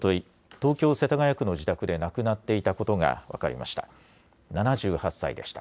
東京世田谷区の自宅で亡くなっていたことが分かりました。